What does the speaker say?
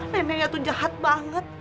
neneknya tuh jahat banget